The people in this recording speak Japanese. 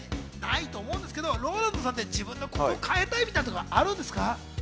ないと思うんですけど、ＲＯＬＡＮＤさんって自分のここ、変えたい！みたいなところあるんですか？